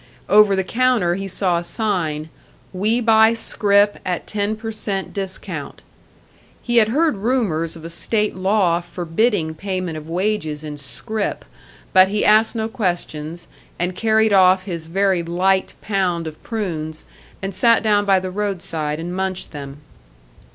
Over the counter he saw a sign: "We buy scrip at ten per cent discount." He had heard rumours of a state law forbidding payment of wages in "scrip"; but he asked no questions, and carried off his very light pound of prunes, and sat down by the roadside and munched them.